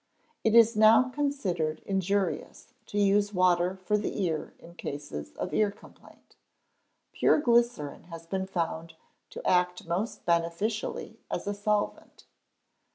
It is now considered injurious to use water for the ear in cases of ear complaint. Pure glycerine has been found to act most beneficially as a solvent.